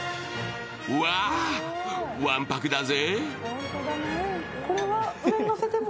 うわ、わんぱくだぜ。